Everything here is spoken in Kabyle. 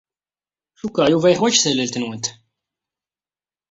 Cikkeɣ Yuba yeḥwaj tallalt-nwent.